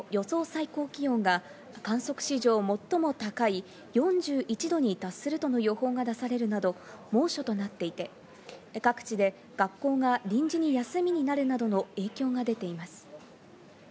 最高気温が観測史上、最も高い４１度に達するとの予報が出されるなど、猛暑となっていて各地で学校が臨時に休みになるなどの影響が出ています。